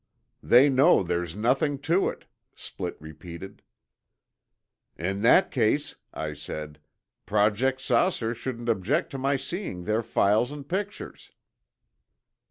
"They know there's nothing to it," Splitt repeated. "In that case," I said, "Project 'Saucer' shouldn't object to my seeing their files and pictures."